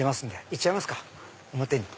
行っちゃいますか表に。